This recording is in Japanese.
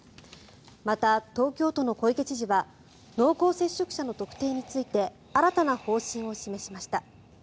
また、東京都の小池知事は濃厚接触者の特定について新たな方針を示しました。